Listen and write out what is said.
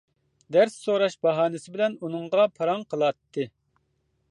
دەرس سوراش باھانىسى بىلەن ئۇنىڭغا پاراڭ قىلاتتى.